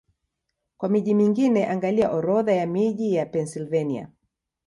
Kwa miji mingine, angalia Orodha ya miji ya Pennsylvania.